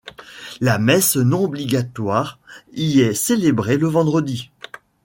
La messe - non obligatoire - y est célébrée le vendredi.